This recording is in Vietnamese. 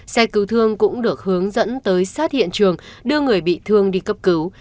xe cứu thương cũng được hướng dẫn tới sát hiện trường đưa người bị thương đi cấp cứu